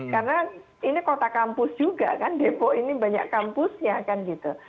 karena ini kota kampus juga kan depok ini banyak kampusnya kan gitu